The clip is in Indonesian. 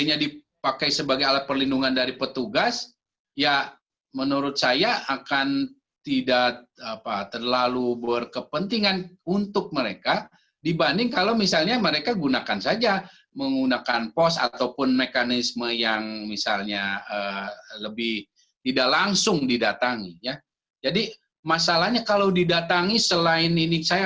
apakah apd nya dipakai sebagai alat perlindungan dari petugas